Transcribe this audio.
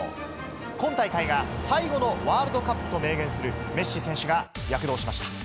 今大会が最後のワールドカップと明言するメッシ選手が躍動しました。